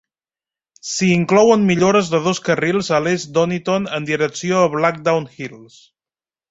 S'hi inclouen millores de dos carrils a l'est d'Honiton en direcció a Blackdown Hills.